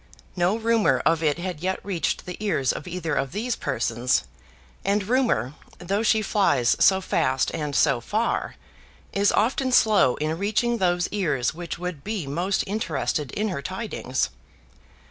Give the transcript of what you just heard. No rumour of it had yet reached the ears of either of these persons; and rumour, though she flies so fast and so far, is often slow in reaching those ears which would be most interested in her tidings.